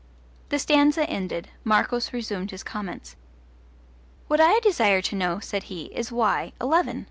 The stanza ended, Marcos resumed his comments. What I desire to know, said he, is, why eleven?